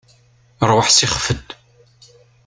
Ṛwaḥ, sixef-d.